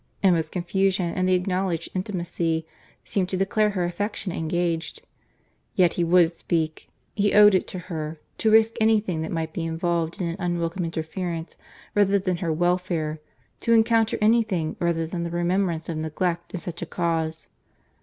Emma's confusion, and the acknowledged intimacy, seemed to declare her affection engaged. Yet he would speak. He owed it to her, to risk any thing that might be involved in an unwelcome interference, rather than her welfare; to encounter any thing, rather than the remembrance of neglect in such a cause.